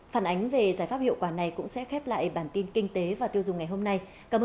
phản ánh về giải pháp hiệu quả này cũng sẽ khép lại bản tin kinh tế và tiêu dùng ngày hôm nay cảm ơn